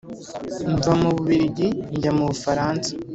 mva mu bubiligi njya mu bufaransa,